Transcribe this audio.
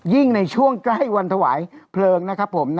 ในช่วงใกล้วันถวายเพลิงนะครับผม